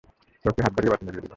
লোকটি হাত বাড়িয়ে বাতি নিভিয়ে দিল।